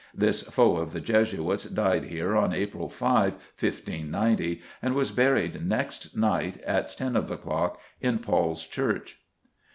This foe of the Jesuits died here on April 5, 1590, "and was buried next night, at ten of the clock, in Paul's Church."